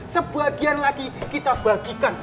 sebagian lagi kita bagikan